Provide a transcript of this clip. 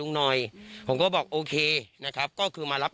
ปู่มหาหมุนีบอกว่าตัวเองอสูญที่นี้ไม่เป็นไรหรอก